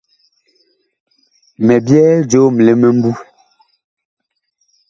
Mi byɛɛ joom li mimbu.